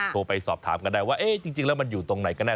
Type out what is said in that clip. โทรไปสอบถามกันได้ว่าเอ๊ะจริงแล้วมันอยู่ตรงไหนก็แน